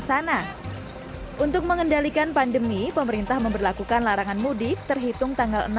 sana untuk mengendalikan pandemi pemerintah memperlakukan larangan mudik terhitung tanggal